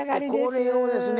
これをですね。